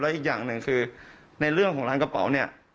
อีกอย่างหนึ่งคือในเรื่องของร้านกระเป๋าเนี่ย